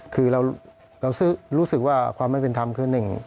คือเรารู้สึกว่าความไม่เป็นธรรมคือหนึ่ง